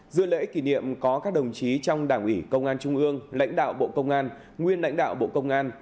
dự lễ kỷ niệm có các đồng chí trong đảng ủy công an trung ương lãnh đạo bộ công an nguyên lãnh đạo bộ công an